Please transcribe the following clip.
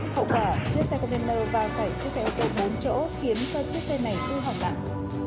hậu quả chiếc xe container và bảy chiếc xe ô tô bốn chỗ khiến cho chiếc xe này hư hỏng nặng